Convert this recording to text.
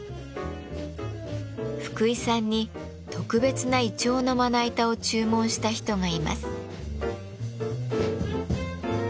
福井さんに特別ないちょうのまな板を注文した人がいます。